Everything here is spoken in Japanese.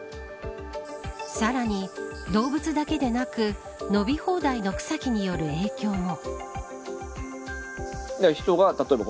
さらに動物だけでなく伸び放題の草木による影響も。